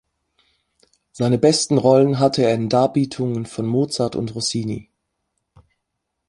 Seine besten Rollen hatte er in Darbietungen von Mozart und Rossini.